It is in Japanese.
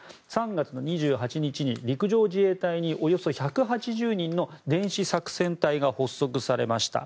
３月２８日に陸上自衛隊におよそ１８０人の電子作戦隊が発足されました。